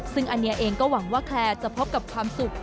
ซึ่งอันนี้เองก็หวังว่าแคลร์จะพบกับความสุข